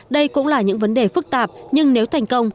đây cũng là những vấn đề phức tạp nhưng nếu thành công